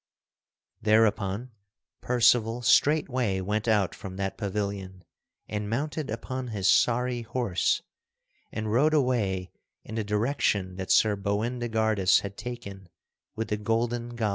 Thereupon Percival straightway went out from that pavilion and mounted upon his sorry horse and rode away in the direction that Sir Boindegardus had taken with the golden goblet.